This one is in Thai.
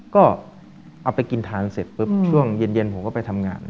ก็เอาไปกินทานเสร็จปุ๊บช่วงเย็นผมก็ไปทำงาน